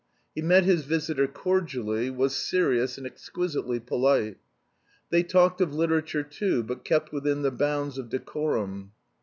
He met his visitor cordially, was serious and exquisitely polite. They talked of literature, too, but kept within the bounds of decorum.